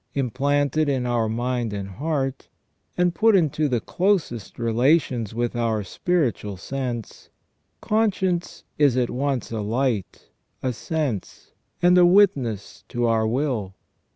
Implanted in our mind and heart, and put into the closest relations with our spiritual sense, conscience is at once a light, a sense, and a witness to our will.